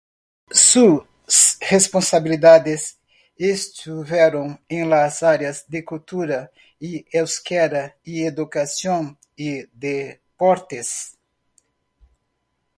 Sus responsabilidades estuvieron en las áreas de cultura y euskera; y educación y deportes.